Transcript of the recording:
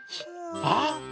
あっ！